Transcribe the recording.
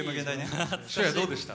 翔也どうでした？